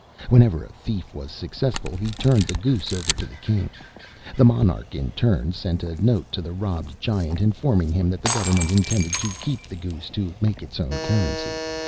Whenever a thief was successful he turned the goose over to his King. The monarch, in turn, sent a note to the robbed Giant informing him that the government intended to keep the goose to make its own currency.